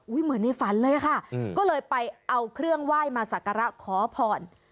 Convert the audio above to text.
เหมือนในฝันเลยค่ะก็เลยไปเอาเครื่องไหว้มาสักการะขอพร